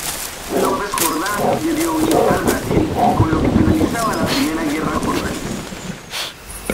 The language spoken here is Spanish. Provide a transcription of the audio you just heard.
López Jordán debió huir al Brasil, con lo que finalizaba la primera guerra jordanista.